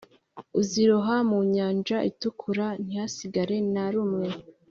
uziroha mu Nyanja Itukura ntihasigara na rumwe